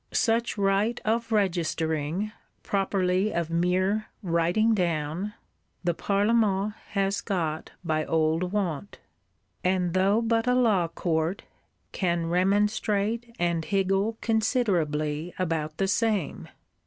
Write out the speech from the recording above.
Such right of registering, properly of mere writing down, the Parlement has got by old wont; and, though but a Law Court, can remonstrate, and higgle considerably about the same.